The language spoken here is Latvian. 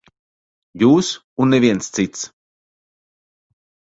Jūs un neviens cits.